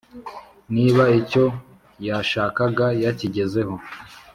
niba icyo yashakaga yakigezeho